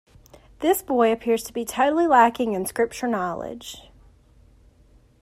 This boy appears to be totally lacking in Scripture knowledge.